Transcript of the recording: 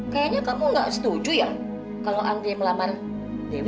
kayaknya kamu gak setuju ya kalau andre melamar dewa